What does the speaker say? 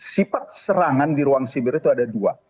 sifat serangan di ruang siber itu ada dua